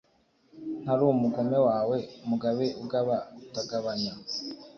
Ntari umugome wawe, Mugabe ugaba utagabanya,